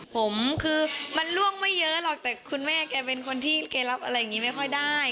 ผมคือมันล่วงไม่เยอะหรอกแต่คุณแม่แกเป็นคนที่แกรับอะไรอย่างนี้ไม่ค่อยได้